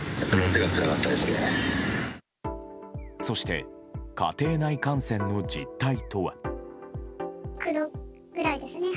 そして、家庭内感染の実態とは。